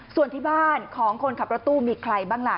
ส่วนที่บ้านของคนขับรถตู้มีใครบ้างล่ะ